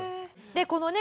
でこのね